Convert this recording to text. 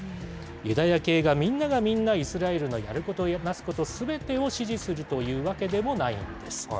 ユダヤ系がみんながみんな、イスラエルのやることなすことすべてを支持するというわけでもないんです。